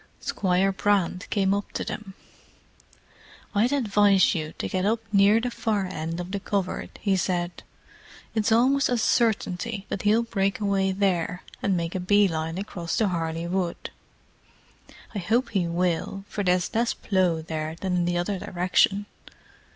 Squire Brand came up to them. "I'd advise you to get up near the far end of the covert," he said. "It's almost a certainty that he'll break away there and make a bee line across to Harley Wood. I hope he will, for there's less plough there than in the other direction."